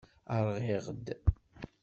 Rɣiɣ-d.